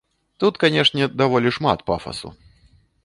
Тут, канешне, даволі шмат пафасу.